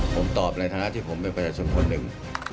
ผมตอบในทางนะที่ผมไม่เป็นช่วงคนหนึ่ง